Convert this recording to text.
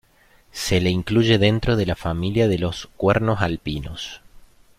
Se le incluye dentro de la familia de los "cuernos alpinos".